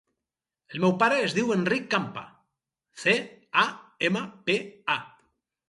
El meu pare es diu Enric Campa: ce, a, ema, pe, a.